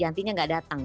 yantinya gak datang